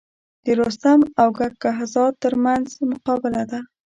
د رستم او کک کهزاد تر منځ مقابله ده.